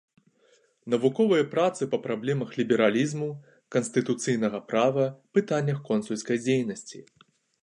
Навуковыя працы па праблемах лібералізму, канстытуцыйнага права, пытаннях консульскай дзейнасці.